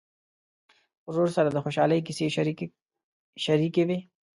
ورور سره د خوشحالۍ کیسې شريکې وي.